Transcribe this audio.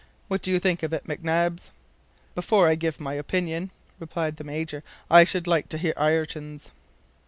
What do you think of it, McNabbs?" "Before I give my opinion," replied the Major, "I should like to hear Ayrton's."